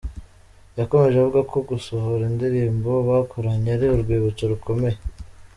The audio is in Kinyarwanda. Yakomeje avuga ko gusohora indirimbo bakoranye ari urwibutso rukomeye.